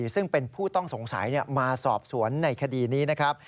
ซึ่งเป็นผู้ต้องสงสัยมาสอบสวนในคดีนี้นะครับ